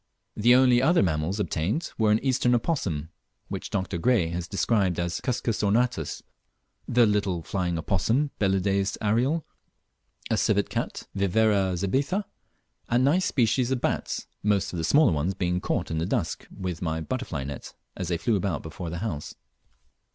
The only other mammals obtained were an Eastern opossum, which Dr. Gray has described as Cuscus ornatus; the little flying opossum, Belideus ariel; a Civet cat, Viverra zebetha; and nice species of bats, most of the smaller ones being caught in the dusk with my butterfly net as they flew about before the house.